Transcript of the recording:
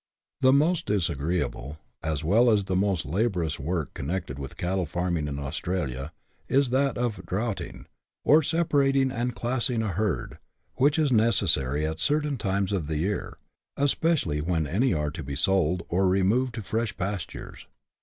The most disagreeable, as well as the most laborious work connected with cattle farming in Australia is that of " draught ing," or separating and classing a herd, which is necessary at certain times of the year, especially when any are to be sold, or removed to fresh pastures.